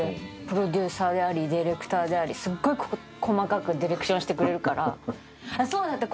プロデューサーでありディレクターであり細かくディレクションしてくれるからそうだった！